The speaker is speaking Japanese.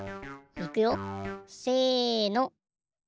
いくよせの。